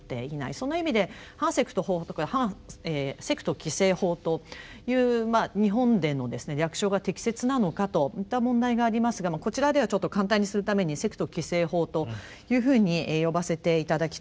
その意味で「反セクト法」とか「セクト規制法」というまあ日本でのですね略称が適切なのかといった問題がありますがこちらではちょっと簡単にするために「セクト規制法」というふうに呼ばせて頂きたいと思います。